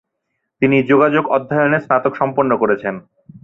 তিনি যোগাযোগ অধ্যয়নে স্নাতক সম্পন্ন করেছেন।